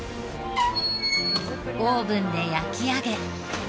オーブンで焼き上げ。